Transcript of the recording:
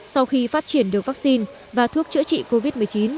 sau khi phát triển được vaccine và thuốc chữa trị covid một mươi chín